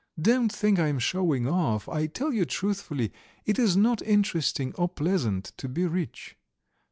Don't think I am showing off, I tell you truthfully: it is not interesting or pleasant to be rich.